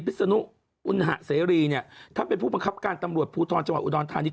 ปริศนุอุณหาศรีถ้าเป็นผู้บังคับการตำรวจภูทรจังหวัยอุดรธานี